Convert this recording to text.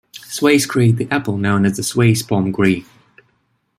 Swayze created the apple known as the Swayze Pomme Gris.